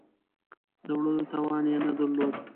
د وړلو توان یې نه درلود.